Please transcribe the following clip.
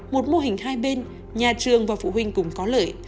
một mô hình hai bên nhà trường và phụ huynh cũng có lợi